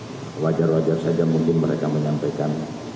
ya wajar wajar saja mungkin mereka menyampaikan